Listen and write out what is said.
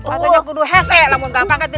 itu itu hesep namun gak panggil